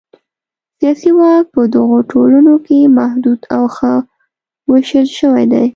سیاسي واک په دغو ټولنو کې محدود او ښه وېشل شوی دی.